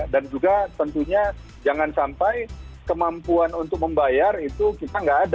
dan juga tentunya jangan sampai kemampuan untuk membayar itu kita nggak ada